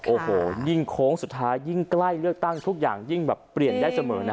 โอ้โหยิ่งโค้งสุดท้ายยิ่งใกล้เลือกตั้งทุกอย่างยิ่งแบบเปลี่ยนได้เสมอนะ